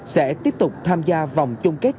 sẽ tiếp tục tham gia vòng chung kết